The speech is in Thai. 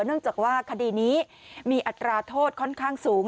เนื่องจากว่าคดีนี้มีอัตราโทษค่อนข้างสูง